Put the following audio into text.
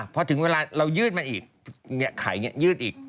พอถึงเวลาเรายืดมันอีกเนี่ยไข่เนี่ยยืดอีก